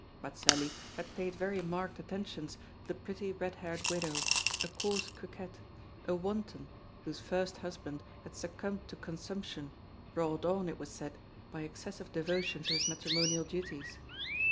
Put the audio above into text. Mazelli had paid very marked attentions to the pretty red haired widow, a coarse coquette, a wanton, whose first husband had succumbed to consumption, brought on, it was said, by excessive devotion to his matrimonial duties.